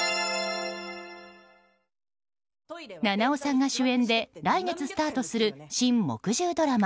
菜々緒さんが主演で来月スタートする新木１０ドラマ